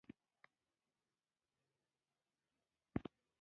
ولایتونه د افغانستان په ستراتیژیک اهمیت کې دي.